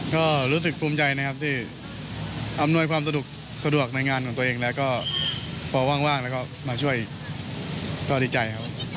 ก็รู้สึกภูมิใจนะครับที่อำนวยความสะดวกในงานของตัวเองแล้วก็พอว่างแล้วก็มาช่วยก็ดีใจครับ